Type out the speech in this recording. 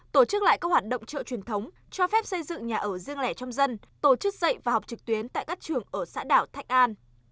tổ chức lại các hoạt động chợ truyền thống cho phép xây dựng nhà ở riêng lẻ trong dân tổ chức dạy và học trực tuyến tại các trường ở xã đảo thạnh an